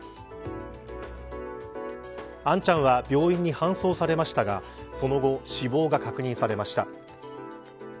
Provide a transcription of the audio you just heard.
杏ちゃんは病院に搬送されましたがその後、死亡が確認されました。